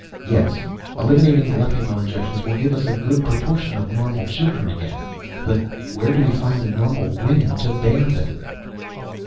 "Yes. Eliminating the Leffingwell injections will give us a good proportion of normal children again. _But where do we find the normal women to bear them?